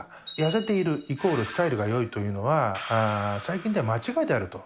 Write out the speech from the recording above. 痩せているイコールスタイルがよいというのは、最近では間違いであると。